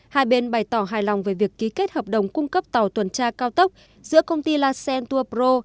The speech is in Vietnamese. hai bên bày tỏ hài lòng về việc ký kết hợp đồng cung cấp tàu tuần tra cao tốc giữa công ty lacent tourbro